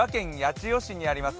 今朝は千葉県八千代市にあります